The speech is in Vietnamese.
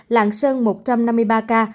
lạng sơn một trăm năm mươi ba ca